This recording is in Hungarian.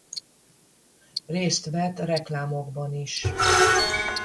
Részt vett reklámokban is.